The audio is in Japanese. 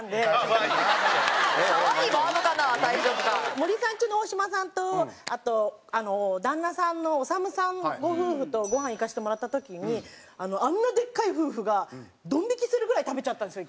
森三中の大島さんと旦那さんのおさむさんご夫婦とごはん行かせてもらった時にあんなでっかい夫婦がドン引きするぐらい食べちゃったんですよ